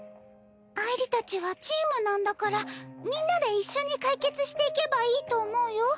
あいりたちはチームなんだからみんなで一緒に解決していけばいいと思うよ。